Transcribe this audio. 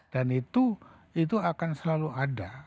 dan itu itu akan selalu ada